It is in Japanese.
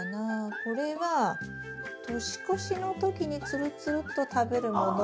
これは年越しの時につるつるっと食べるものは？